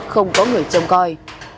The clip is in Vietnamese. không có người trông coi